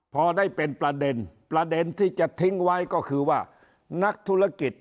พอได้เป็นประเด็นประเด็นที่จะทิ้งไว้ก็คือว่านักธุรกิจ